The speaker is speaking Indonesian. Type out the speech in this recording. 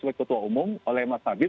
oleh ketua umum oleh mas habib